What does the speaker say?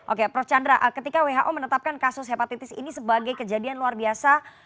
oke prof chandra ketika who menetapkan kasus hepatitis ini sebagai kejadian luar biasa